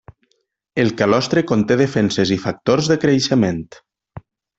El calostre conté defenses i factors de creixement.